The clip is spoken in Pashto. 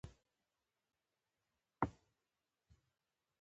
چین وده د زبېښونکو بنسټونو کومه بڼه ده.